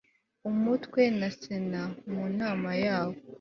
Umutwe wa Sena mu nama yawo